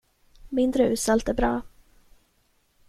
Mindre uselt är bra.